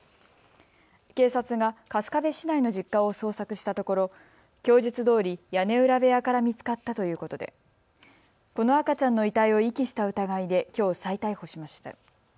警察が春日部市内の実家を捜索したところ供述どおり屋根裏部屋から見つかったということでこの赤ちゃんの遺体を遺棄した疑いできょう再逮捕しました。